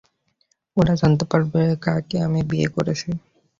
ওরা জানতে পারবে কাকে আমি বিয়ে করেছি।